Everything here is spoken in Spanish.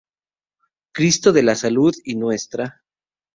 Cristo de la Salud y Ntra.